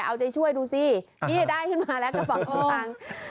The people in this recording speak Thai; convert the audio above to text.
เอาใจช่วยดูสิได้ขึ้นมาแล้วกระเป๋าขึ้นมา